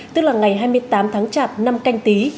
tức là ngày hai mươi tám tháng chạp năm canh tí